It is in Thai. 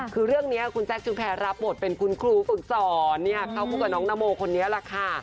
คือเรื่องนี้คุณแจ๊คชุมแพรรับบทเป็นคุณครูฝึกสอนเข้าคู่กับน้องนาโมคนนี้แหละค่ะ